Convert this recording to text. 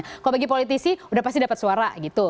kalau bagi politisi udah pasti dapat suara gitu